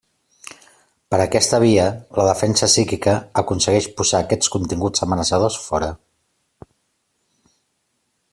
Per aquesta via, la defensa psíquica aconsegueix posar aquests continguts amenaçadors fora.